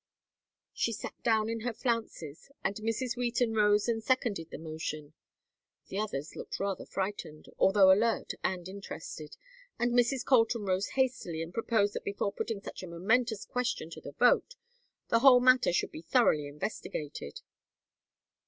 She sat down in her flounces, and Mrs. Wheaton rose and seconded the motion. The others looked rather frightened, although alert and interested, and Mrs. Colton rose hastily and proposed that before putting such a momentous question to the vote, the whole matter should be thoroughly investigated.